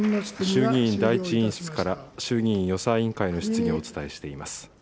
衆議院第１委員室から、衆議院予算委員会の質疑をお伝えしています。